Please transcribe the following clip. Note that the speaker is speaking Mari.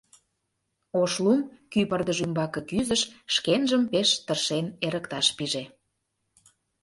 Ошлум кӱ пырдыж ӱмбаке кӱзыш, шкенжым пеш тыршен эрыкташ пиже.